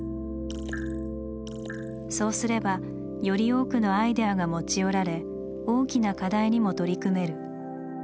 そうすればより多くのアイデアが持ち寄られ大きな課題にも取り組める。